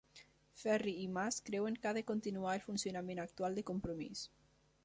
Ferri i Mas creuen que ha de continuar el funcionament actual de Compromís